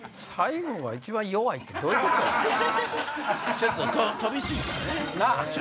ちょっと飛び過ぎたね。